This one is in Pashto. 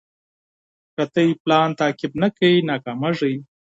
که تاسي پلان تعقيب نه کړئ، ناکامېږئ.